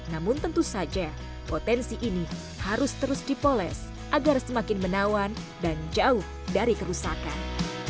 namun tentu saja potensi ini harus terus dipoles agar semakin menawan dan jauh dari kerusakan